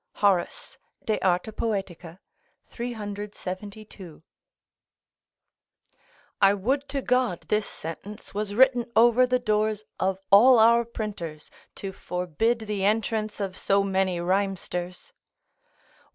Horace, De Arte Poet., 372.] I would to God this sentence was written over the doors of all our printers, to forbid the entrance of so many rhymesters!